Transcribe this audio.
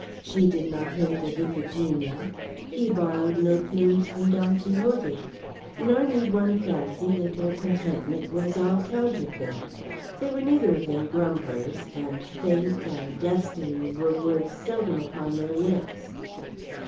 She did not hint of Iphigenia; he borrowed no plumes from Don Quixote. Nor need one fancy that their contentment was all counterfeit. They were neither of them grumblers, and "fate" and "destiny" were words seldom upon their lips.